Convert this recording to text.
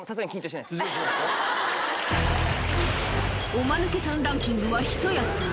おマヌケさんランキングはひと休み